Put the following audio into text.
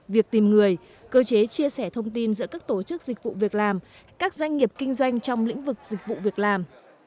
việc tìm người cơ chế chia sẻ thông tin giữa các tổ chức dịch vụ việc làm các doanh nghiệp kinh doanh trong lĩnh vực dịch vụ việc làm